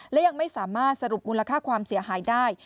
และยังไม่สามารถสรุปมูลค่าความเสียหายได้